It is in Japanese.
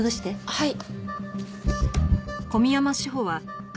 はい。